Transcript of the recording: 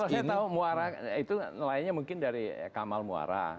kalau saya tahu muara itu nelayannya mungkin dari kamal muara